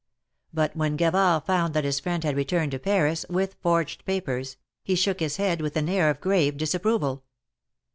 But when Gavard found that his friend had returned to Paris, with forged papers, he shook his head with an air of grave disapproval.